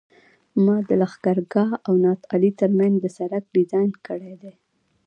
ما د لښکرګاه او نادعلي ترمنځ د سرک ډیزاین کړی دی